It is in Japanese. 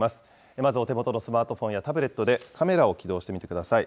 まずお手元のスマートフォンや、タブレットで、カメラを起動してみてください。